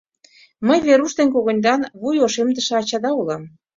Мый Веруш ден когыньдан вуй ошемдыше ачада улам.